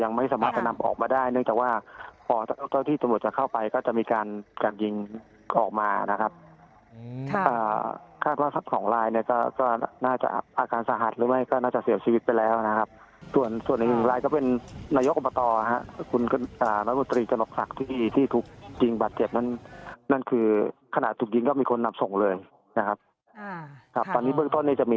ยังไม่สามารถที่จะนำออกมาได้เนื่องจากว่าเมื่อกดที่ตำรวจจะเข้าไปก็จะมีการการยิงออกมานะครับ